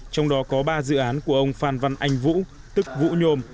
trong đó có ba dự án của ông phan văn anh vũ tức vũ nhôm